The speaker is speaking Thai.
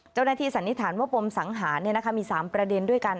เจ้าหน้าที่สันนิษฐานว่าปมสังหามี๓ประเด็นด้วยกัน